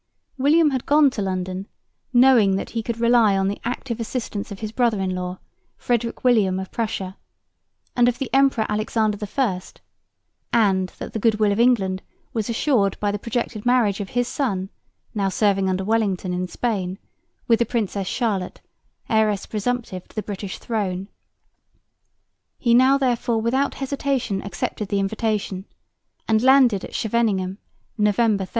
William had gone to London knowing that he could rely on the active assistance of his brother in law, Frederick William of Prussia, and of the Emperor Alexander I, and that the goodwill of England was assured by the projected marriage of his son (now serving under Wellington in Spain) with the Princess Charlotte, heiress presumptive to the British throne. He now therefore without hesitation accepted the invitation, and landed at Scheveningen, November 30.